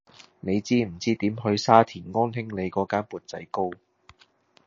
你知唔知點去沙田安興里嗰間缽仔糕